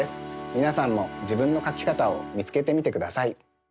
みなさんもじぶんのかきかたをみつけてみてください。